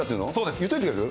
言っといてくれる？